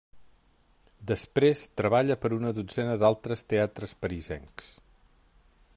Després treballa per a una dotzena d'altres teatres parisencs.